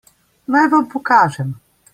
Naj vam pokažem.